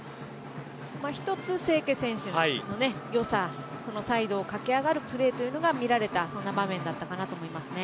一つ、清家選手の良さサイドを駆け上がるプレーというのが見られたそんな場面だったと思いますね。